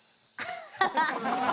ハハハ！